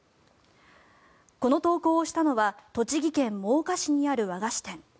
この投稿をしたのは栃木県真岡市にある和菓子店。